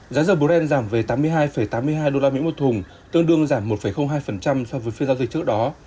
giá dầu brent giảm về tám mươi hai tám mươi hai usd một thùng tương đương giảm một hai so với phiên giao dịch trước đó